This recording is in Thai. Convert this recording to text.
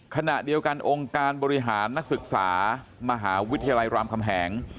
ขณะเดียวกันองค์การบริหารนักศึกษามหาวิทยาลัยรามคำแหง